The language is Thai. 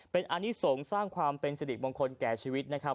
เป็นอนิสงฆ์สร้างความเป็นสิริมงคลแก่ชีวิตนะครับ